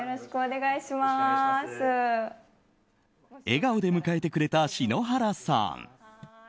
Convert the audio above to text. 笑顔で迎えてくれた篠原さん。